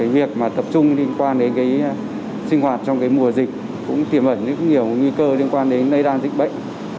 việc tập trung liên quan đến sinh hoạt trong mùa dịch cũng tiềm ẩn nhiều nguy cơ liên quan đến nơi đang dịch bệnh